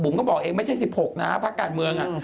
บุ๋มก็บอกเองไม่ใช่๑๖พักการเมือง